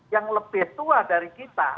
yang lebih tua dari kita